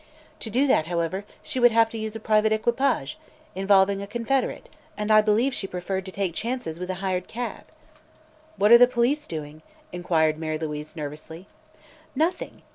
To do that, however, she would have to use a private equipage, involving a confederate, and I believe she preferred to take chances with a hired cab." "What are the police doing?" inquired Mary Louise nervously. "Nothing.